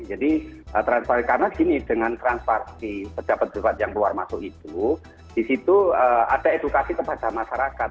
jadi karena gini dengan transparansi pejabat pejabat yang keluar masuk itu disitu ada edukasi kepada masyarakat